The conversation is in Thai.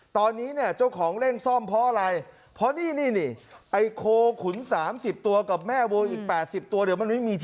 ตอนนี้เนี่ยเจ้าของเร่งซ่อมเพราะอะไรเพราะนี่นี่นี่ไอโคขุนสามสิบตัวกับแม่โว้ออีกแปดสิบตัวเดี๋ยวมันไม่มีที่อยู่